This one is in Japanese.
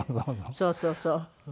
そうそうそう。